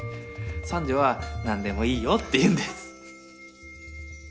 三女は「何でもいいよ」って言うんです。